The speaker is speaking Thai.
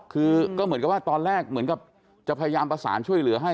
คือก็เหมือนกับว่าตอนแรกเหมือนกับจะพยายามประสานช่วยเหลือให้